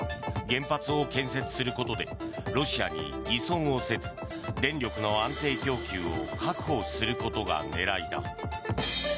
原発を建設することでロシアに依存をせず電力の安定供給を確保することが狙いだ。